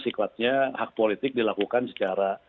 sifatnya hak politik dilakukan secara